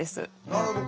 なるほど。